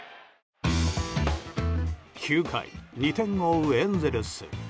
９回、２点を追うエンゼルス。